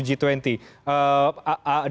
diagendakan presiden jokowi